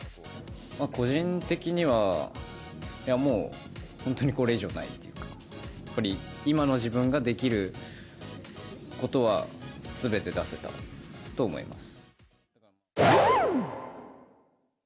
個人的には、いやもう、本当にこれ以上ないっていうか、やっぱり今の自分ができることはすべて出せたと思います。